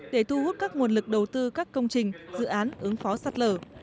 để thu hút các nguồn lực đầu tư các công trình dự án ứng phó sạt lở